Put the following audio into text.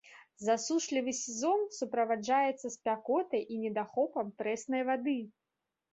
Засушлівы сезон суправаджаецца спякотай і недахопам прэснай вады.